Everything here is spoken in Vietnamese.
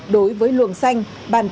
đối với luồng xanh bàn chỉnh